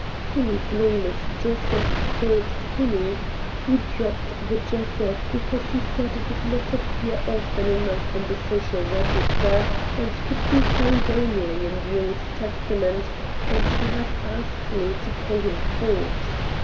Kinney's name is Joseph Forbes Kinney; he dropped the Joseph because he said it did not appear often enough in the Social Register, and could be found only in the Old Testament, and he has asked me to call him Forbes.